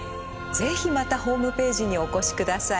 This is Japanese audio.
是非またホームページにお越し下さい。